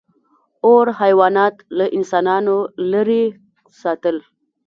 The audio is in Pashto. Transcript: • اور حیوانات له انسانانو لرې ساتل.